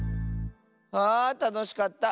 あたのしかった。